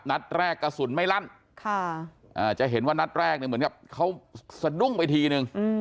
นัดแรกกระสุนไม่ลั่นจะเห็นว่านัดแรกเนี่ยเหมือนกับเขาสะดุ้งไปทีนึง